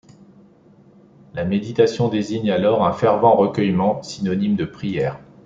La méditation désigne alors un fervent recueillement, synonyme de prière.